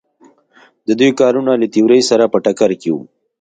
د دوی کارونه له تیورۍ سره په ټکر کې وو.